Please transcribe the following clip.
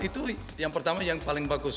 itu yang pertama yang paling bagus